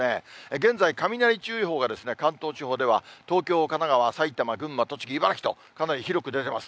現在、雷注意報が、関東地方では東京、神奈川、埼玉、群馬、栃木、茨城と、かなり広く出てます。